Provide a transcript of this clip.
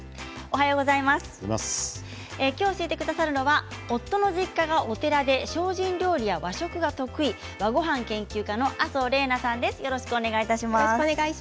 今日教えてくださるのは夫の実家がお寺で精進料理や和食が得意和ごはん研究家の麻生怜菜さんです。